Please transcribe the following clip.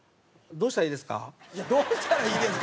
「どうしたらいいですか？」